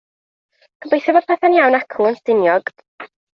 Gobeithio fod petha'n iawn acw yn Stiniog.